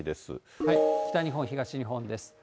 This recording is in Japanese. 北日本、東日本です。